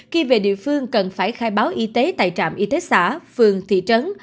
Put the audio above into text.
khi về địa phương cần phải khai báo y tế tại trạm y tế xã phường thị trấn